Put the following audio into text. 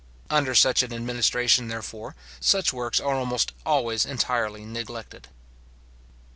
Under such an administration therefore, such works are almost always entirely neglected.